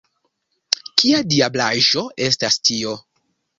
Kia diablaĵo estas tio?